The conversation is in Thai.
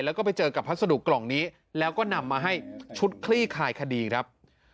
แล้วก็ไปเจอกับพัสดุกล่องนี้แล้วก็นำมาให้ชุดคลี่คายคดีครับ